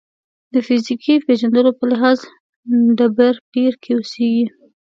د فیزیکي پېژندلو په لحاظ ډبرپېر کې اوسېږي.